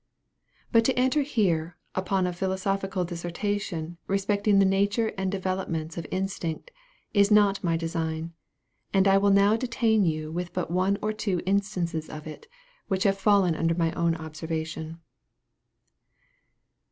But to enter here, upon a philosophical dissertation, respecting the nature and developments of instinct, is not my design, and I will now detain you with but one or two instances of it, which have fallen under my own observation.